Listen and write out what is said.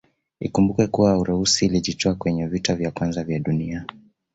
Ikumbukwe kuwa Urusi ilijitoa kwenye vita ya kwanza ya dunia